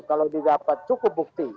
kalau didapat cukup bukti